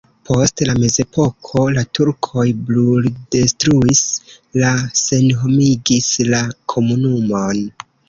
Post la mezepoko la turkoj bruldetruis kaj senhomigis la komunumon.